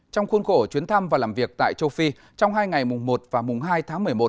trong khuôn khổ chuyến thăm và làm việc tại châu phi trong hai ngày mùng một và mùng hai tháng một mươi một